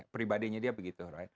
pribadinya dia begitu